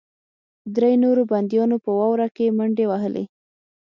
درې نورو بندیانو په واوره کې منډې وهلې